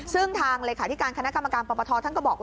ซึ่งทางเลขาธิการคณะกรรมการปปทท่านก็บอกว่า